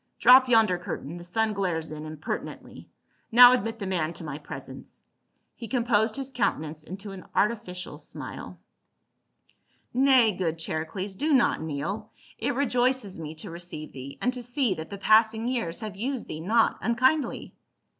Drop yonder curtain ; the sun glares in impertinently. Now admit the man to my presence." He composed his countenance into an artificial smile. " Nay, good Charicles, do not kneel, it rejoices me 102 PA UL. to receive thee, and to sec that the passing years have used thee not unkindly."